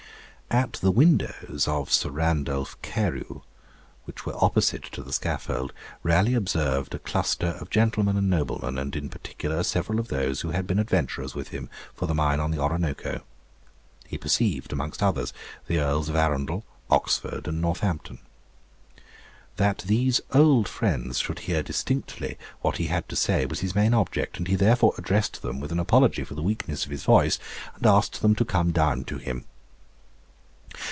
At the windows of Sir Randolph Carew, which were opposite to the scaffold, Raleigh observed a cluster of gentlemen and noblemen, and in particular several of those who had been adventurers with him for the mine on the Orinoco. He perceived, amongst others, the Earls of Arundel, Oxford, and Northampton. That these old friends should hear distinctly what he had to say was his main object, and he therefore addressed them with an apology for the weakness of his voice, and asked them to come down to him.